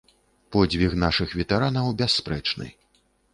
Подзвіг нашых ветэранаў бясспрэчны.